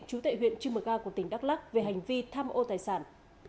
chú tệ huyện trưng mực a của tỉnh đắk lắc về hành vi tham ô tài sản